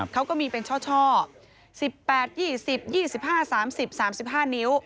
เขาก็มีเป็นช่อ๑๘๒๐๒๕๓๐๓๕นิ้ว